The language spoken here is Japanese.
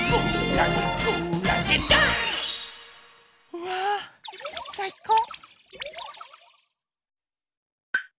うわさいこう。